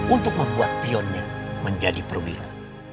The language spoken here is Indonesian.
untuk membuat peonnya menjadi perwira